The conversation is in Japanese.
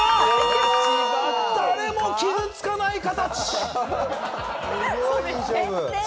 誰も傷つかない形。